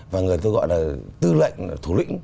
và người tôi gọi là tư lệnh thủ lĩnh